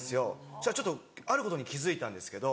そしたらちょっとあることに気付いたんですけど。